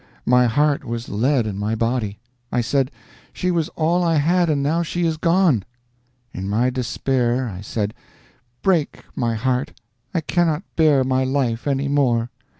My heart was lead in my body! I said, "She was all I had, and now she is gone!" In my despair I said, "Break, my heart; I cannot bear my life any more!"